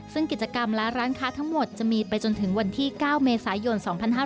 ซึ่งกิจกรรมและร้านค้าทั้งหมดจะมีไปจนถึงวันที่๙เมษายน๒๕๕๙